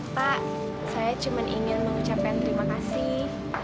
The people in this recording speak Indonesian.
pak saya cuma ingin mengucapkan terima kasih